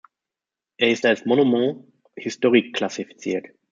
Er ist als Monument historique klassifiziert.